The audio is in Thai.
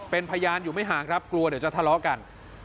เป็นพยานอยู่ไม่ห่างครับกลัวเดี๋ยวจะทะเลาะกัน